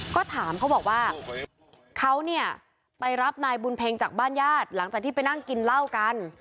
ก็ถามเขาบอกว่าเขาเนี่ยไปรับนายบุญเพ็งจากบ้านญาติหลังจากที่ไปนั่งกินเหล้ากัน